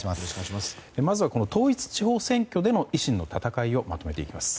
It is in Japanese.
まずは、統一地方選挙での維新の戦いをまとめていきます。